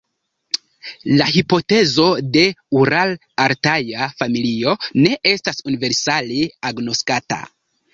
La hipotezo de ural-altaja familio ne estas universale agnoskata.